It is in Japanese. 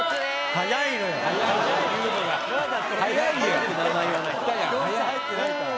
教室入ってないから。